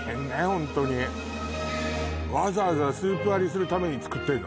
ホントにわざわざスープ割りするために作ってんの？